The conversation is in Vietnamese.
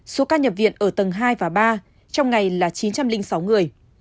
số ca nhập viện ở tầng hai và ba trong ngày là chín trăm linh sáu người